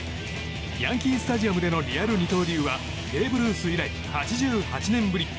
ヤンキー・スタジアムでのリアル二刀流はベーブ・ルース以来８８年ぶり。